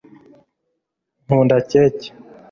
nkunda keke